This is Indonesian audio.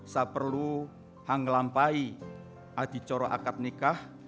sa perlu hanggelampai adi coro akad nikah